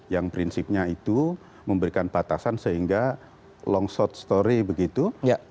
yang prinsipnya itu memberikan batasan sehingga longshot story begitu